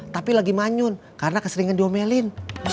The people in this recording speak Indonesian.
tapi lagi manyun karena keseringan diomelin